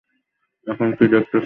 এখনও কি দেখতছ চাও সেখান থেকে ভিউ?